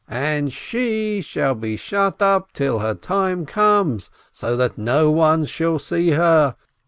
"And she shall be shut up till her time comes, so that no one shall see her.